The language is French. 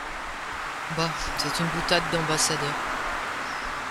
Bah ! c’est une boutade d’ambassadeur